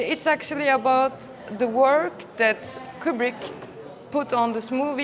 ini sebenarnya tentang pekerjaan yang diberikan kubrick pada film ini